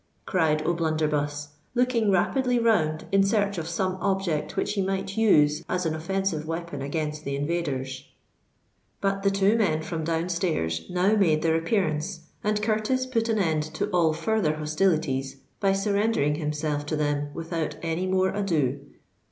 cried O'Blunderbuss, looking rapidly round in search of some object which he might use as an offensive weapon against the invaders; but the two men from down stairs now made their appearance, and Curtis put an end to all further hostilities by surrendering himself to them without any more ado.